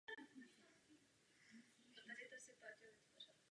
Fort Myers je největší město Jihozápadní Floridy a hlavní město okresu Lee County.